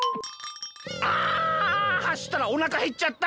あはしったらおなかへっちゃった。